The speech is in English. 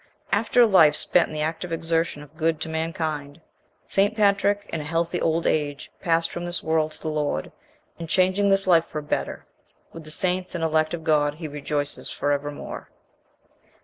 After a life spent in the active exertion of good to mankind, St. Patrick, in a healthy old age, passed from this world to the Lord, and changing this life for a better, with the saints and elect of God he rejoices for evermore.